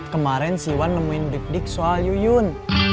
kemarin si iwan nemuin digdik soal yuyun